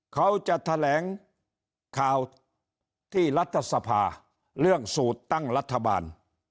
เขาจะแถลงข่าวที่รัฐสภาเรื่องสูตรตั้งรัฐบาล